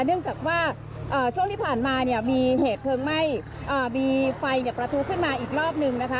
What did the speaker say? เนื่องจากว่าช่วงที่ผ่านมาเนี่ยมีเหตุเพลิงไหม้มีไฟประทุขึ้นมาอีกรอบนึงนะคะ